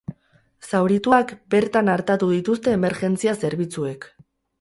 Zaurituak bertan artatu dituzte emergentzia zerbitzuek.